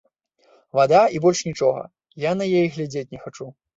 Вада, і больш нічога, я на яе і глядзець не хачу.